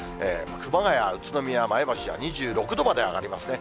熊谷、宇都宮、前橋は２６度まで上がりますね。